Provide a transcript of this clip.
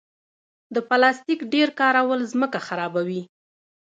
د پلاستیک ډېر کارول ځمکه خرابوي.